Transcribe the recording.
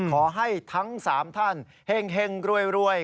ขอให้ทั้ง๓ท่านเฮ่งรวย